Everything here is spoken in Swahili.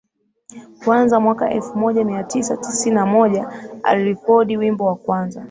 kwanza mwaka elfu moja mia tisa tisini na moja alirekodi wimbo wa kwanza